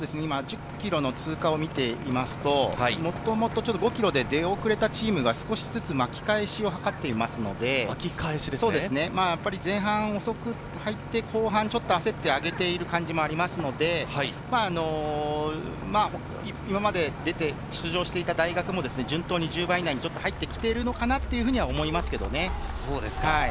１０ｋｍの通過を見ていますと、もともと５ｋｍで出遅れたチームが少しずつ巻き返しをはかっていますので、やっぱり前半、遅く入って、後半にちょっと焦って上げている感じもありますので、今まで出場していた大学も順当に１０番以内に入ってきているのかなと思いますけどね。